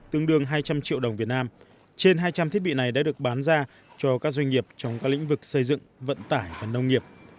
trên hai trăm linh thiết bị này đã được bán ra cho các doanh nghiệp trong các lĩnh vực xây dựng vận tải và nông nghiệp